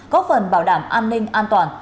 góp phần bảo đảm an ninh an toàn